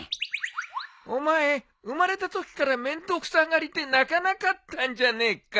お前生まれたときから面倒くさがりで泣かなかったんじゃねえか。